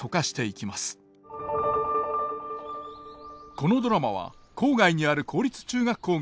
このドラマは郊外にある公立中学校が舞台。